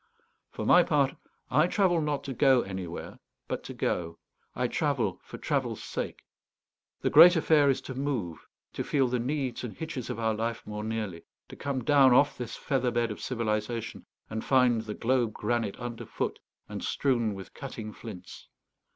For my part, I travel not to go anywhere, but to go. I travel for travel's sake. The great affair is to move; to feel the needs and hitches of our life more nearly; to come down off this feather bed of civilization, and find the globe granite underfoot and strewn with cutting flints.